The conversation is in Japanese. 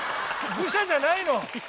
愚者じゃないの！